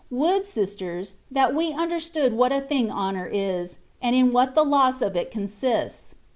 Would, sisters, that we understood what a thing honour is, and in what the loss of it con sists